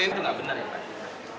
tidak benar ya pak